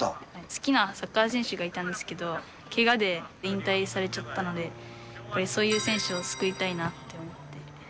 好きなサッカー選手がいたんですけど、けがで引退されちゃったので、そういう選手を救いたいなって思って。